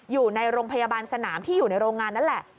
อยู่ในโรงพยาบาลสนามที่อยู่ในโรงงานนั่นแหละ